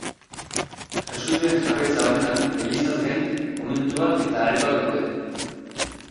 Jesuiten jabetza honetan elizaz gain, komentua eta aretoak daude.